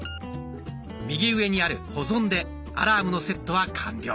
右上にある「保存」でアラームのセットは完了。